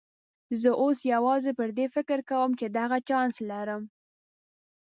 زه اوس یوازې پر دې فکر کوم چې دغه چانس لرم.